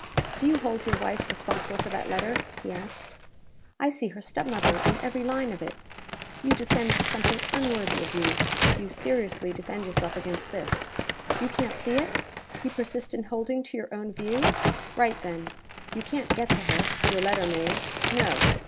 "Do you hold your wife responsible for that letter?" he asked. "I see her step mother in every line of it. You descend to something unworthy of you, if you seriously defend yourself against this! You can't see it? You persist in holding to your own view? Write, then. You can't get to her your letter may. No!